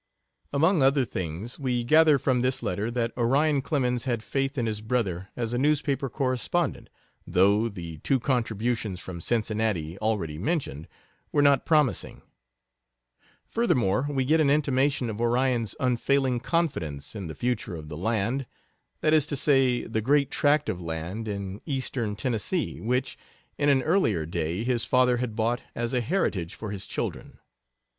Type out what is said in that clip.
Among other things, we gather from this letter that Orion Clemens had faith in his brother as a newspaper correspondent, though the two contributions from Cincinnati, already mentioned, were not promising. Furthermore, we get an intimation of Orion's unfailing confidence in the future of the "land" that is to say, the great tract of land in Eastern Tennessee which, in an earlier day, his father had bought as a heritage for his children.